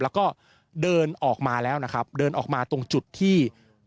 แล้วก็เดินออกมาแล้วนะครับเดินออกมาตรงจุดที่